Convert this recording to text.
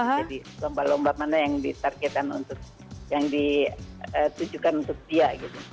jadi lomba lomba mana yang ditargetkan untuk yang ditujukan untuk dia gitu